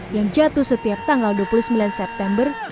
yang jatuh setiap tanggal dua puluh sembilan september